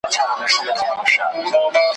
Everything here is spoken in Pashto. قرض د پلار هم بد دی `